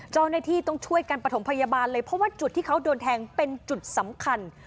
เจ้าหน้าที่ต้องช่วยกันประถมพยาบาลเลยเพราะว่าจุดที่เขาโดนแทงเป็นจุดสำคัญ